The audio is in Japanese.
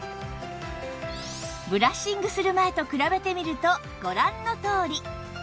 ブラッシングする前と比べてみるとご覧のとおり